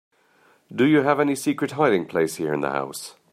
Do you have any secret hiding place here in the house?